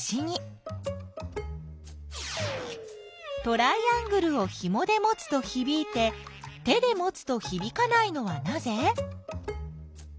トライアングルをひもで持つとひびいて手で持つとひびかないのはなぜ？